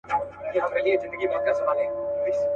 زه دي تږې یم د میني زما دي علم په کار نه دی.